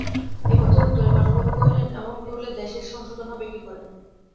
এ কথার উত্তরে পানুবাবু কহিলেন, এমন করলে দেশের সংশোধন হবে কী করে?